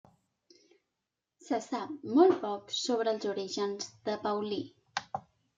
Se sap molt poc sobre els orígens de Paulí.